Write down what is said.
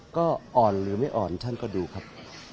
ก็อ่อนหรือไม่อ่อนท่านก็ดูครับ